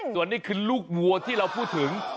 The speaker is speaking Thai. ส่วนนี้คือลูกวัวที่เราพูดถึง